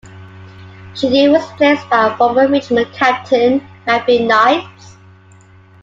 Sheedy was replaced by former Richmond captain Matthew Knights.